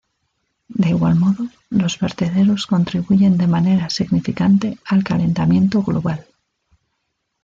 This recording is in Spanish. De igual modo, los vertederos contribuyen de manera significante al calentamiento global.